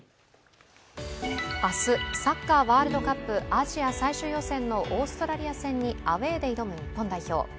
明日、サッカーワールドカップアジア最終予選のオーストラリア戦にアウェーで挑む日本代表。